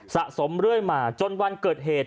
สะสมเรื่อยมาจนวันเกิดเหตุ